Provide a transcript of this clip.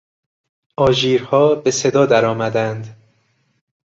آژیرها به صدا درآمدند.